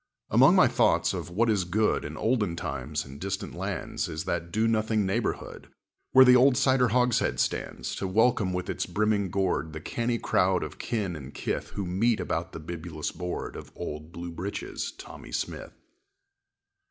Among my thoughts of what is good In olden times and distant lands, Is that do nothing neighborhood Where the old cider hogshead stands To welcome with its brimming gourd The canny crowd of kin and kith Who meet about the bibulous board Of old Bluebritches Tommy Smith.